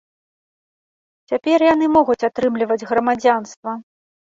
Цяпер яны могуць атрымліваць грамадзянства.